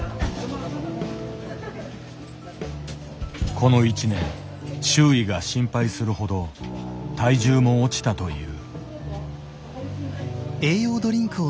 この１年周囲が心配するほど体重も落ちたという。